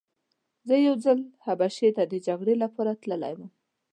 زه یو ځل حبشې ته د جګړې لپاره تللی وم.